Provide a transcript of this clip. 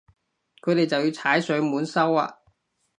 佢哋就要踩上門收啊